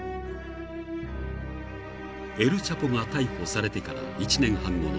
［エル・チャポが逮捕されてから１年半後の］